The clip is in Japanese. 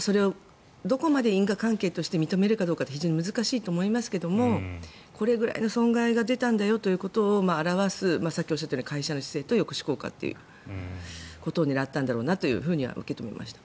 それをどこまで因果関係として認めるかは難しいと思いますがこれぐらいの損害が出たんだよということを表すさっきおっしゃったような会社の姿勢と抑止効果というのを狙ったんだろうなと受け止めました。